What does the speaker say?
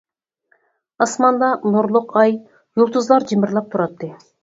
ئاسماندا نۇرلۇق ئاي، يۇلتۇزلار جىمىرلاپ تۇراتتى.